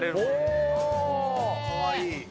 かわいい。